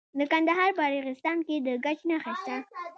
د کندهار په ارغستان کې د ګچ نښې شته.